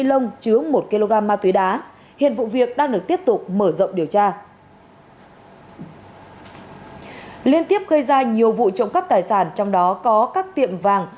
liên tiếp gây ra nhiều vụ trộm cắp tài sản trong đó có các tiệm vàng